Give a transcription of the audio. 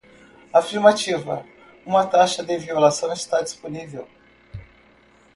Afirmativa? uma taxa de violação está disponível.